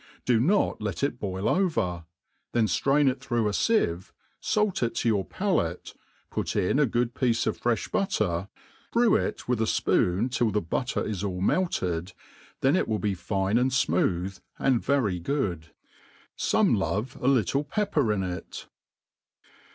Do not let it boil over^ then ftrain it through a fieve, fait it to your palate, put in a good piece of fVefli butter, brew it with a fpoon tWt the butter is all melted, then it will be fine and fmooth, and very good. Some love a little pepper in it.